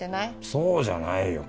そうじゃないよ